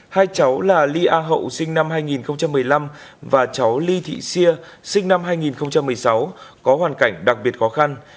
hai cháu là ly a hậu sinh năm hai nghìn một mươi năm và cháu ly thị xia sinh năm hai nghìn một mươi sáu có hoàn cảnh đặc biệt khó khăn